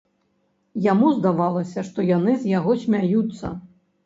Яму здавалася, што яны з яго смяюцца.